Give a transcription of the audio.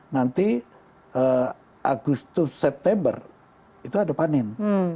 nanti agustus september itu ada panen